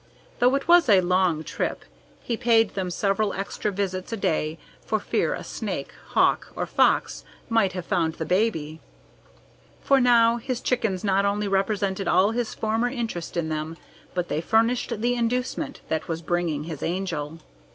Though it was a long trip, he paid them several extra visits a day for fear a snake, hawk, or fox might have found the baby. For now his chickens not only represented all his former interest in them, but they furnished the inducement that was bringing his Angel.